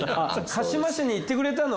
鹿嶋市に行ってくれたの？